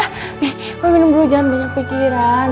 nih bapak minum dulu jangan banyak pikiran